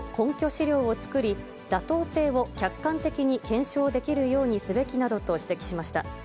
資料を作り、妥当性を客観的に検証できるようにすべきなどと指摘しました。